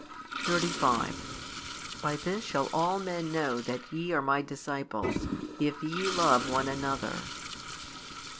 35 By this shall all men know that ye are My disciples, if ye love one another.